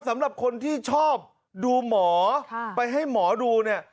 สำหรับคนที่ชอบดูหมอไปให้หมอดูเนี่ย